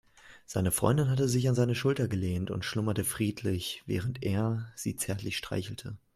Seine Freundin hatte sich an seine Schulter gelehnt und schlummerte friedlich, während er sie zärtlich streichelte.